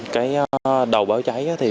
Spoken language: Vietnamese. cái đầu báo cháy thì có một số đầu